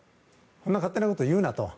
勝手なことを言うなと。